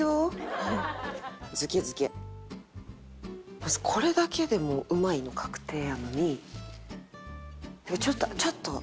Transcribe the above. まずこれだけでもううまいの確定やのにちょっと。